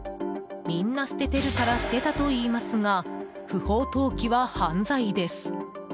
みんな捨ててるから捨てたといいますが不法投棄は犯罪です。